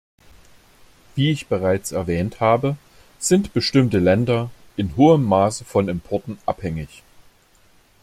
Wie ich bereits erwähnt habe, sind bestimmte Länder in hohem Maße von Importen abhängig.